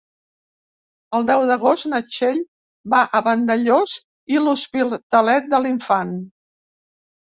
El deu d'agost na Txell va a Vandellòs i l'Hospitalet de l'Infant.